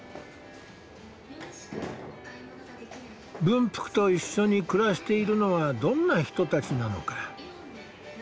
文福と一緒に暮らしているのはどんな人たちなのか。